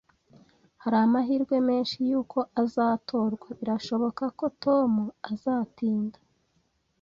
Hari amahirwe menshi yuko azatorwa Birashoboka ko Tom azatinda